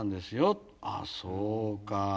あっそうか。